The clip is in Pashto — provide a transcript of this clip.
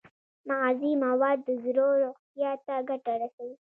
مغذي مواد د زړه روغتیا ته ګټه رسوي.